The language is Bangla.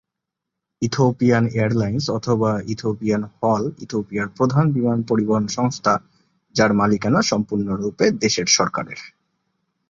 ইথিওপিয়ান এয়ারলাইন্স অথবা ইথিওপিয়ান হল ইথিওপিয়ার প্রধান বিমান পরিবহন সংস্থা যার মালিকানা সম্পূর্ণ রূপে দেশের সরকারের।